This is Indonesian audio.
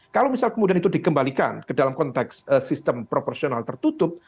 kalau misal kemudian itu dikembalikan ke dalam konteks sistem proporsional tertutup